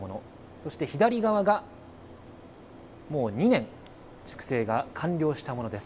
そして左側がもう２年熟成が完了したものです。